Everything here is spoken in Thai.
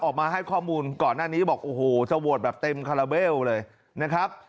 ออกมาให้ข้อมูลก่อนหน้านี้บอกโอ้โหจะโหวตแบบเต็มคาราเบลเลยนะครับ